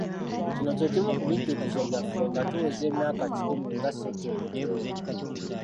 Kino kyekimu ku bijjukizo byaffe nga tuweza emyaka kikumi nga ssettendekero ono.